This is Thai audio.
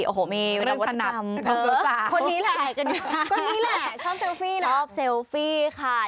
โอ้โหมีวันละวัดกำเทอร์